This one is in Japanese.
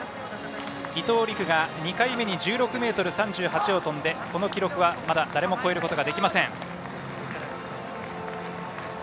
伊藤陸が２回目に１６ｍ３８を跳んでこの記録はまだ誰も超えることができません。